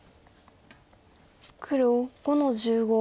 黒５の十五。